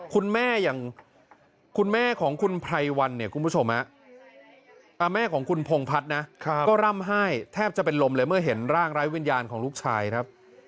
คุณแม่อย่างคุณแม่ของคุณไพรวันเนี่ยคุณผู้ชมแม่ของคุณพงพัฒน์นะก็ร่ำไห้แทบจะเป็นลมเลยเมื่อเห็นร่างไร้วิญญาณของลูกชายครับ